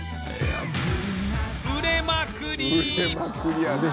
売れまくりやね。